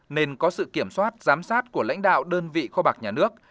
nên có sự kiểm soát giám sát của lãnh đạo đơn vị kho bạc nhà nước